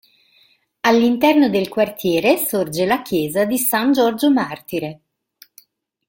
All'interno del quartiere sorge la Chiesa di San Giorgio Martire.